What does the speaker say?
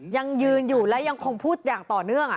ยังยืนอยู่และยังคงพูดอย่างต่อเนื่อง